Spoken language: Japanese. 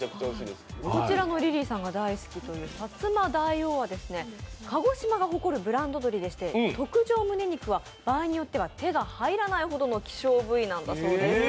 こちらのリリーさんが大好きというさつま大摩桜は鹿児島が誇る特上むね肉は場合によっては手に入らないほどの希少部位なんだそうです。